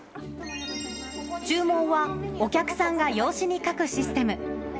注文は、お客さんが用紙に書くシステム。